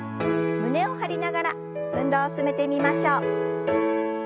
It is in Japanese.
胸を張りながら運動を進めてみましょう。